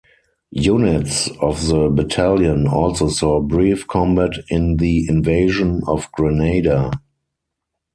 Units of the battalion also saw brief combat in the invasion of Grenada.